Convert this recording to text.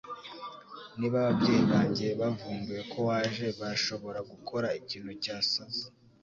Niba ababyeyi banjye bavumbuye ko waje, barashobora gukora ikintu cyasaze.